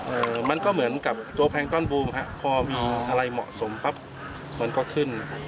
เอ่อมันก็เหมือนกับตัวแพงต้อนบูมฮะพอมีอะไรเหมาะสมปั๊บมันก็ขึ้น